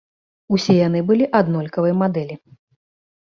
Усе яны былі аднолькавай мадэлі.